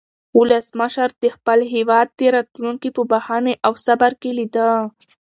ولسمشر د خپل هېواد راتلونکی په بښنې او صبر کې لیده.